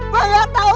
gue gak tau